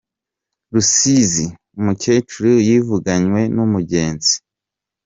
Rusizi Umukecuru yivuganywe n’Umugezi